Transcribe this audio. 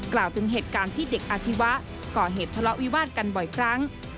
กล่าวถึงเหตุการณ์ที่เด็กอาชีวะก่อเหตุทะเลาะวิวาดกันบ่อยครั้ง